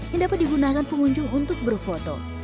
yang dapat digunakan pengunjung untuk berfoto